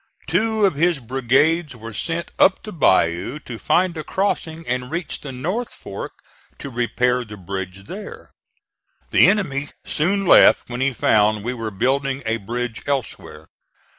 Two of his brigades were sent up the bayou to find a crossing and reach the North Fork to repair the bridge there. The enemy soon left when he found we were building a bridge elsewhere.